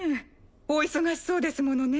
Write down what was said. お忙しそうですものね。